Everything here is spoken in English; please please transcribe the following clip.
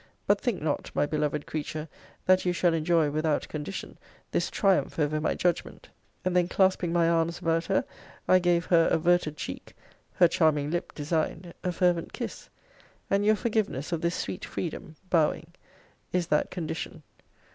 But think not, my beloved creature, that you shall enjoy, without condition, this triumph over my judgment. And then, clasping my arms about her, I gave her averted cheek (her charming lip designed) a fervent kiss. And your forgiveness of this sweet freedom [bowing] is that condition.